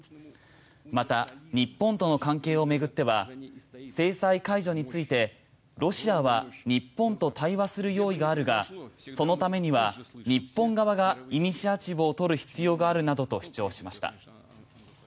また、日本との関係を巡っては制裁解除についてロシアは日本と対話する用意があるがそのためには日本側がイニシアチブを取る必要があるなどと主張しました。